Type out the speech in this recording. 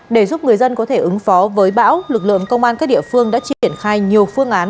để giúp người dân có thể ứng phó với bão lực lượng công an các địa phương đã triển khai nhiều phương án